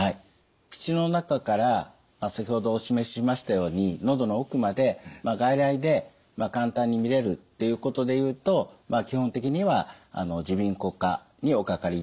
口の中から先ほどお示ししましたように喉の奥まで外来で簡単に診れるっていうことで言うと基本的には耳鼻咽喉科におかかりいただくのがいいかと思います。